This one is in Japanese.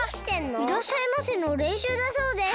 いらっしゃいませのれんしゅうだそうです。